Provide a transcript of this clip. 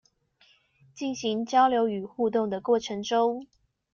進行交流與互動的過程中